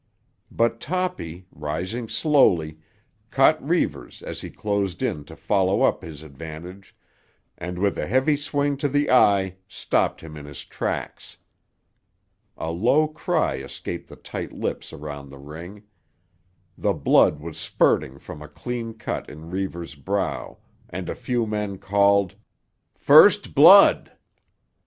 But Toppy, rising slowly, caught Reivers as he closed in to follow up his advantage and with a heavy swing to the eye stopped him in his tracks. A low cry escaped the tight lips around the ring. The blood was spurting from a clean cut in Reivers' brow and a few men called— "First blood!"